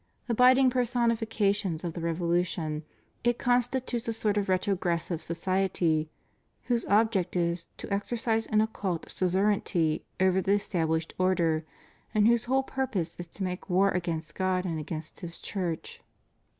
Abiding personification of the revolution, it constitutes a sort of retrogressive society whose object is to exercise an occult suzerainty over the established order and whose whole purpose is to make war against God and against His Church.